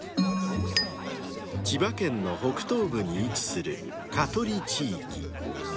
［千葉県の北東部に位置する香取地域］